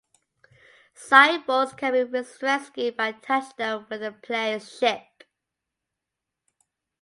Cyborgs can be rescued by touching them with the player's ship.